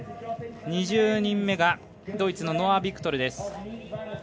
２０人目がドイツのノア・ビクトルです。